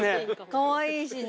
かわいいしね。